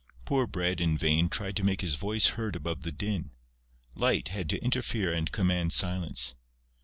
Poor Bread in vain tried to make his voice heard above the din. Light had to interfere and command silence.